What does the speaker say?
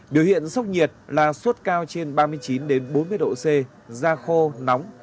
biểu hiện sốc nhiệt là suốt cao trên ba mươi chín bốn mươi độ c da khô nóng